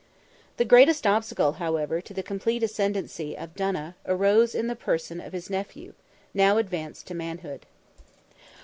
The greatest obstacle, however, to the complete ascendency of Donogh, arose in the person of his nephew, now advanced to manhood.